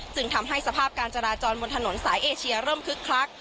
จึงทำให้สภาพการจราจรบนถนนสายเอเชียเริ่มคึกคัก